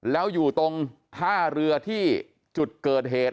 แล้วอยู่ตรงท่าเรือที่จุดเกิดเหตุ